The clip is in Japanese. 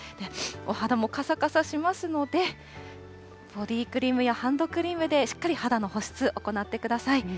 お肌もかさかさしますので、ボディクリームやハンドクリームで、しっかり肌の保湿、行ってください。